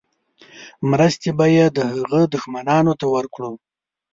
مرستې به یې د هغه دښمنانو ته ورکړو.